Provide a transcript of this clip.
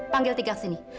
panggil tika kesini